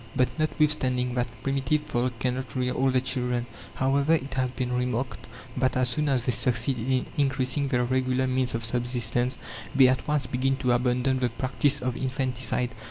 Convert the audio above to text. But notwithstanding that, primitive folk cannot rear all their children. However, it has been remarked that as soon as they succeed in increasing their regular means of subsistence, they at once begin to abandon the practice of infanticide.